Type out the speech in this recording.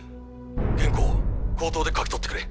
原稿を口頭で書き取ってくれ。